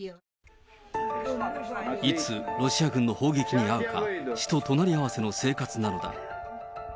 いつ、ロシア軍の砲撃に遭うか、死と隣り合わせの生活なのだ。